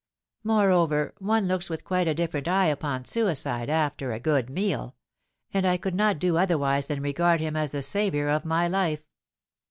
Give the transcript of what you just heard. Moreover, one looks with quite a different eye upon suicide after a good meal; and I could not do otherwise than regard him as the saviour of my life.